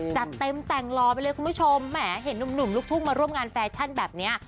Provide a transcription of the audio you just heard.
จัดเต็มแต่งรอไปเลยคุณผู้ชมแหมเห็นหนุ่มลูกทุ่งมาร่วมงานแฟชั่นแบบนี้